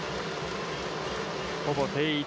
ほぼ定位置。